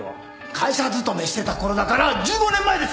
会社勤めしてたころだから１５年前です。